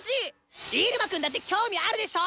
イルマくんだって興味あるでしょ